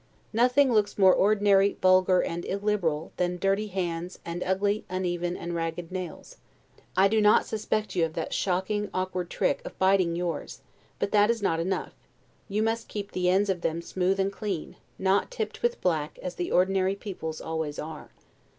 Nothing looks more ordinary, vulgar, and illiberal, than dirty hands, and ugly, uneven, and ragged nails: I do not suspect you of that shocking, awkward trick, of biting yours; but that is not enough: you must keep the ends of them smooth and clean, not tipped with black, as the ordinary people's always are.